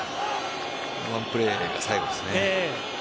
このワンプレーが最後ですね。